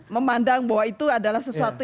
memandang bahwa itu adalah sesuatu